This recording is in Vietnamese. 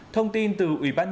thông tin từ ubnd